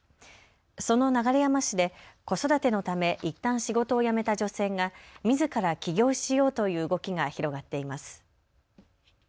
その流山市で子育てのためいったん仕事を辞めた女性がみずから起業しようという動きが広がっています。